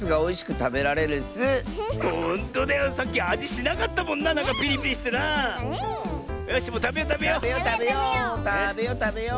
たべよたべよう。